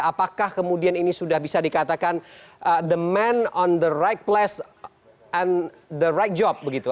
apakah kemudian ini sudah bisa dikatakan the man on the right plus and the right job begitu